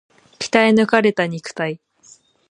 鍛え抜かれた肉体